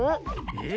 え？